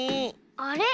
あれ？